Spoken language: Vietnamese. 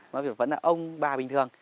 mà vẫn là ông bà bình thường